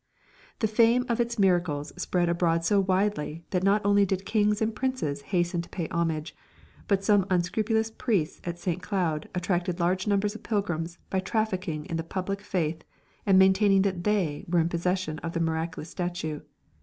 The fame of its miracles spread abroad so widely that not only did kings and princes hasten to pay homage, but some unscrupulous priests at St. Cloud attracted large numbers of pilgrims by trafficking in the public faith and maintaining that they were in possession of the miraculous statue.